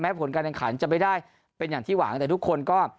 ผลการแข่งขันจะไม่ได้เป็นอย่างที่หวังแต่ทุกคนก็